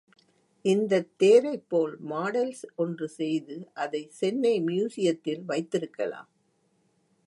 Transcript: இந்தத் தேரைப்போல் மாடல் ஒன்று செய்து அதைச் சென்னை மியூசியத்தில் வைத்திருக்கலாம்.